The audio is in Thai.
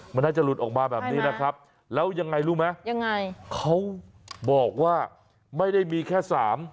มันน่าจะหลุดออกมาแบบนี้นะครับแล้วยังไงรู้ไหมยังไงเขาบอกว่าไม่ได้มีแค่สาม